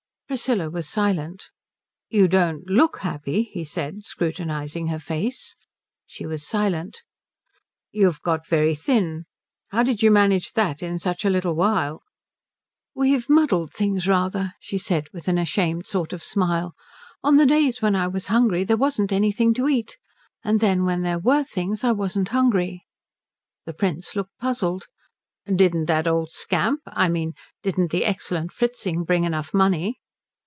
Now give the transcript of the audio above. Priscilla was silent. "You don't look happy," he said, scrutinizing her face. She was silent. "You've got very thin. How did you manage that in such a little while?" "We've muddled things rather," she said with an ashamed sort of smile. "On the days when I was hungry there wasn't anything to eat, and then when there were things I wasn't hungry." The Prince looked puzzled. "Didn't that old scamp I mean didn't the excellent Fritzing bring enough money?"